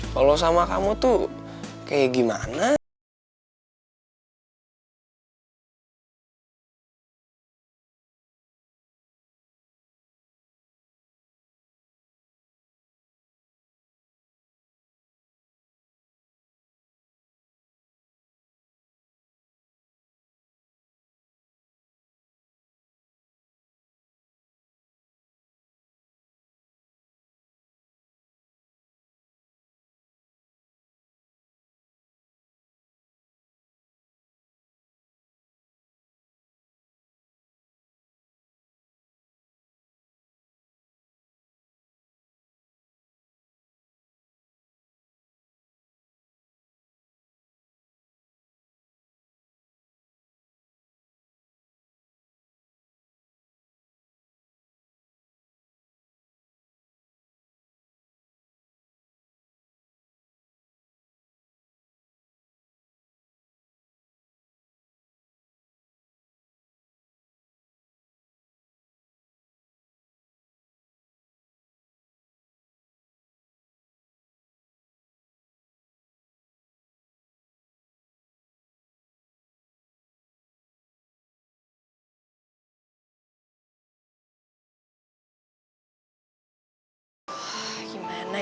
kalau sama kamu tuh kayak gimana ya